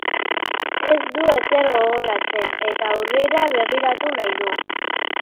Ez du ezer gogoratzen, eta aurrera begiratu nahi du.